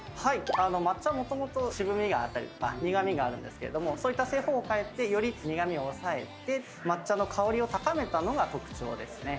抹茶はもともと渋味があったり苦味があるんですけどもそういった製法を変えてより苦味を抑えて抹茶の香りを高めたのが特徴ですね。